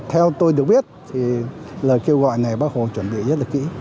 theo tôi được biết thì lời kêu gọi này bác hồ chuẩn bị rất là kỹ